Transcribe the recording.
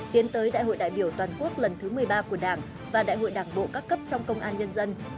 tiến tới đại hội đại biểu toàn quốc lần thứ một mươi ba của đảng và đại hội đảng bộ các cấp trong công an nhân dân